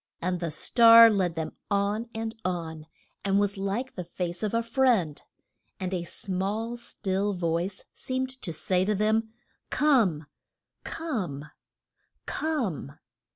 And the star led them on and on, and was like the face of a friend. And a small, still voice seemed to say to them: Come! Come! Come!